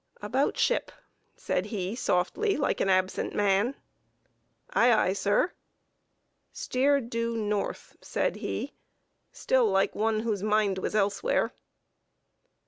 "About ship!" said he, softly, like an absent man. "Ay, ay, sir!" "Steer due north!" said he, still like one whose mind was elsewhere.